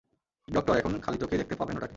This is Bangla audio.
ডক্টর, এখন খালি চোখেই দেখতে পাবেন ওটাকে!